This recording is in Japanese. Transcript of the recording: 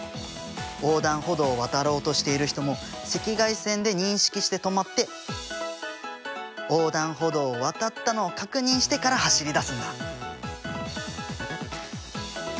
横断歩道を渡ろうとしている人も赤外線で認識して止まって横断歩道を渡ったのを確認してから走り出すんだ。